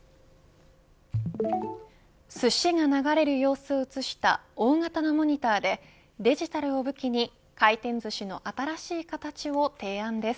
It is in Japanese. すしが流れる様子を映した大型のモニターでデジタルを武器に回転ずしの新しい形を提案です。